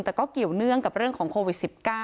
แต่ก็เกี่ยวเนื่องกับเรื่องของโควิด๑๙